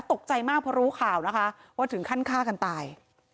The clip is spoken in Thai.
ตกใจมากเพราะรู้ข่าวนะคะว่าถึงขั้นฆ่ากันตาย